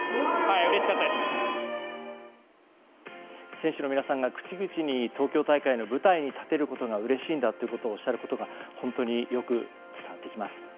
選手の皆さんが口々に東京大会の舞台に立てることがうれしいんだとおっしゃることが本当によく伝わってきます。